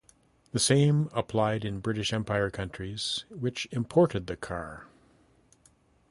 The same applied in British Empire countries which imported the car.